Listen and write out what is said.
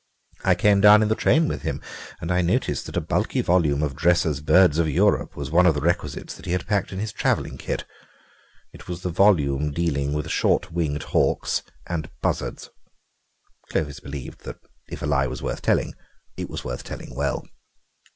I came down in the train with him, and I noticed that a bulky volume of Dresser's 'Birds of Europe' was one of the requisites that he had packed in his travelling kit. It was the volume dealing with short winged hawks and buzzards." Clovis believed that if a lie was worth telling it was worth telling well.